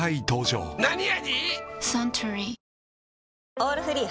「オールフリー」